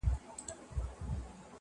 راسه چي زړه مي په لاسو کي درکړم,